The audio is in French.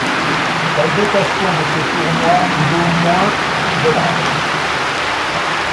La dotation de ce tournoi est d'au moins $.